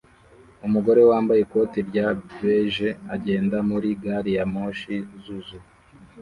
Umugore wambaye ikoti rya beige agenda muri gari ya moshi zuzuye